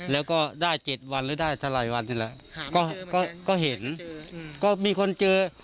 แล้วก็ได้เจ็ดวันหรือได้สลัยวันนี่แหละก็เห็นก็มีคนเจอ